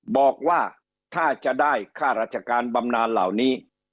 บอกว่าถ้าจะได้ค่าราชการบำนานเหล่านี้